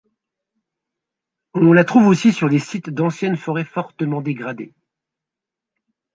On la trouve aussi sur les sites d'anciennes forêts fortement dégradées.